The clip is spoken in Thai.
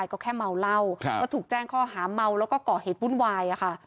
ก็ถูกแจ้งข้อหามเมาแล้วก็เกาะเหตุบุญวายค่ะ